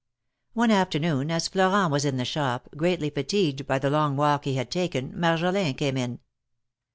One afternoon, as Florent was in the shop, greatly fatigued by the long walk he had taken, Marjolin came in.